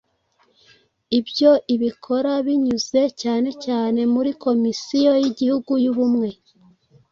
Ibyo ibikora binyuze cyanecyane muri Komisiyo y’Igihugu y’Ubumwe